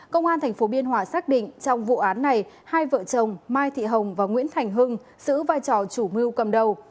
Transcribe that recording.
công an tp biên hòa xác định trong vụ án này hai vợ chồng mai thị hồng và nguyễn thành hưng giữ vai trò chủ mưu cầm đầu